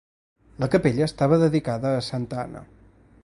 La capella estava dedicada a Santa Anna.